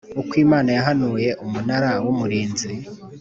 Ukw Imana yahanuye Umunara w Umurinzi